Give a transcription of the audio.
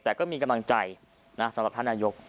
แต่ก็มีกำลังใจสำหรับท่านนายก